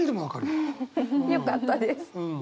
よかったです。